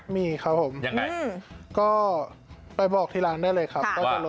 มีครับผมยังไงก็ไปบอกที่ร้านได้เลยครับ